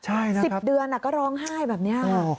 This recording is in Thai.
ใช่นะ๑๐เดือนก็ร้องไห้แบบนี้ค่ะ